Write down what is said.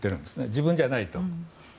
自分じゃないと。